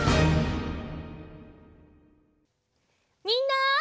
みんな！